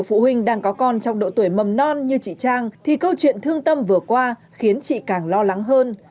trong thời gian mầm non như chị trang thì câu chuyện thương tâm vừa qua khiến chị càng lo lắng hơn